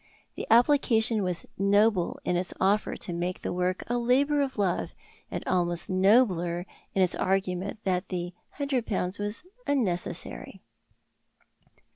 The application was noble in its offer to make the work a labour of love, and almost nobler in its argument that the hundred pounds was unnecessary.